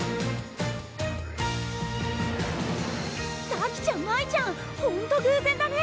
咲ちゃん舞ちゃんホント偶然だね！